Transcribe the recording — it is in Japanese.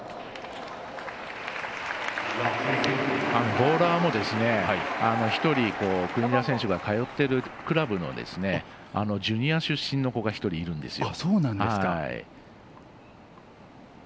ボーラーも１人国枝選手が通っているクラブのジュニア出身の子が１人いるんですよ。